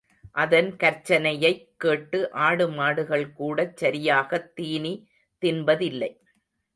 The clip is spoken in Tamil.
அதன் கர்ச்சனையைக் கேட்டு ஆடு மாடுகள் கூடச் சரியாகத் தீனி தின்பதில்லை.